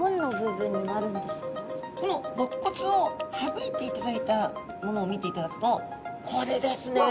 このろっ骨を省いていただいたものを見ていただくとこれですね。